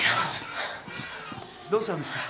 どうしたんですか？